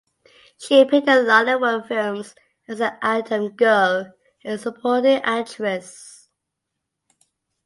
She appeared in Lollywood films as an item girl and supporting actress.